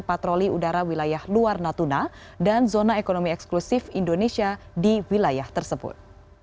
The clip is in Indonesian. patroli udara wilayah luar natuna dan zona ekonomi eksklusif indonesia di wilayah tersebut